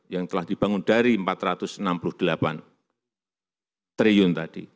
yang telah dibangun dari rp empat ratus enam puluh delapan triliun tadi